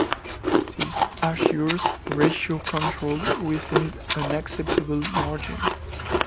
This assures ratio control within an acceptable margin.